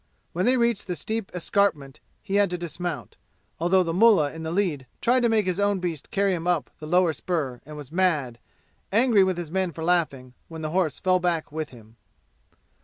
When they reached the steep escarpment he had to dismount, although the mullah in the lead tried to make his own beast carry him up the lower spur and was mad angry with his men for laughing when the horse fell back with him.